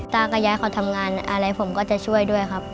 ตากับยายเขาทำงานอะไรผมก็จะช่วยด้วยครับ